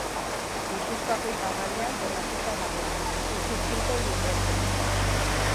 Gipuzkoa iparraldean kokatua dago, Zizurkilgo lurretan.